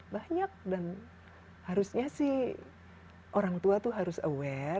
banyak dan harusnya sih orang tua tuh harus aware